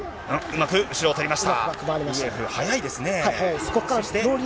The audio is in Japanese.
うまく後ろを取りました。